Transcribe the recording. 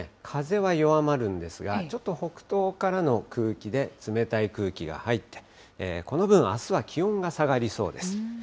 風は弱まるんですが、ちょっと北東からの空気で、冷たい空気が入って、この分、あすは気温が下がりそうです。